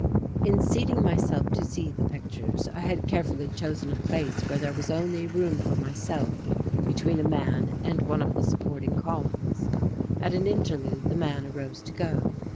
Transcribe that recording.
In seating myself to see the pictures I had carefully chosen a place where there was only room for myself between a man and one of the supporting columns. At an interlude the man arose to go.